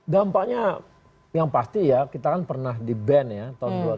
dampaknya yang pasti ya kita kan pernah di ban ya tahun dua ribu